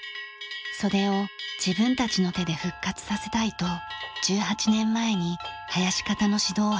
それを自分たちの手で復活させたいと１８年前に囃子方の指導を始めました。